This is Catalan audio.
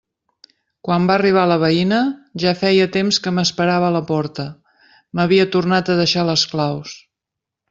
Quan va arribar la veïna, ja feia temps que m'esperava a la porta: m'havia tornat a deixar les claus.